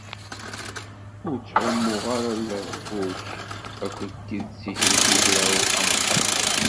Ur ttɣummuɣ ara lehhu-k akked tidet-ik deg ugraw ameqqran.